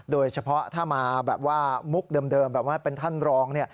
โดยเฉพาะถ้ามาแบบว่ามุกเดิมแบบว่าเป็นท่านรอง